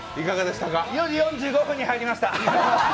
４時４５分に入りました。